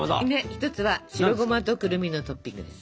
１つは白ゴマとくるみのトッピングです。